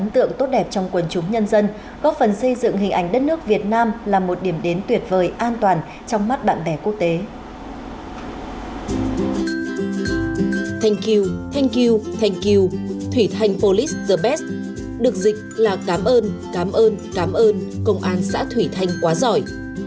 thank you thank you thank you thủy thanh police the best được dịch là cảm ơn cảm ơn cảm ơn công an xã thủy thanh quá giỏi